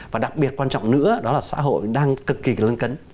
và đặc biệt quan trọng nữa đó là xã hội đang cực kỳ lân cấn